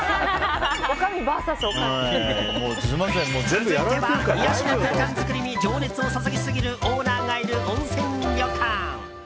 続いては癒やしの空間作りに情熱を注ぎすぎるオーナーがいる温泉旅館。